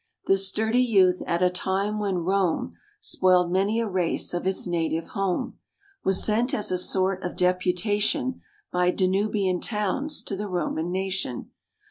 This sturdy youth, at a time when Rome Spoiled many a race of its native home, Was sent as a sort of deputation, By Danubian towns, to the Roman nation.